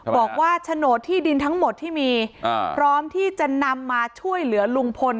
โฉนดที่ดินทั้งหมดที่มีพร้อมที่จะนำมาช่วยเหลือลุงพล